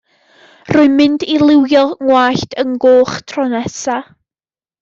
Rwy'n mynd i liwio 'ngwallt yn goch tro nesa.